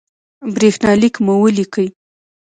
برېښنالک مو ولیکئ